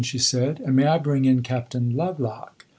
she said, "and may I bring in Captain Lovelock?"